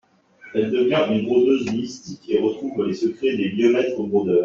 Elle devient une brodeuse mystique et retrouve les secrets des vieux maîtres brodeurs.